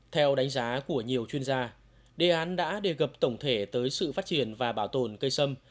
theo đánh giá của nhiều chuyên gia đề án đã đề cập tổng thể tới sự phát triển và bảo tồn cây sâm